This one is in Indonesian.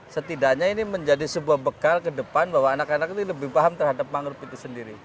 setidaknya ini menjadi sebuah bekal ke depan bahwa anak anak ini lebih paham terhadap mangrove itu sendiri